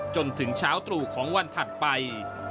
จนถึงเช้าตรู่ของวันถัดไป